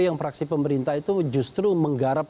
yang fraksi pemerintah itu justru menggarap